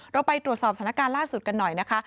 เราไปตรวจสอบสถานการณ์ล่าสุดกันหน่อยนะคะ